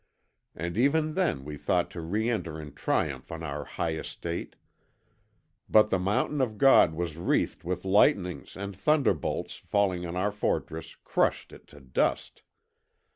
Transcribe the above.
And even then we thought to re enter in triumph on our high estate, but the Mountain of God was wreathed with lightnings, and thunderbolts, falling on our fortress, crushed it to dust.